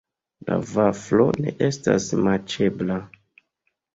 La vaflo ne estas maĉebla.